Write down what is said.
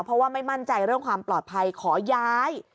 เพราะว่าไม่มั่นใจเรื่องความปลอดภัยขอย้าย